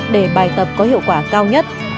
để bài tập có hiệu quả cao nhất